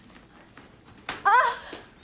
あっ！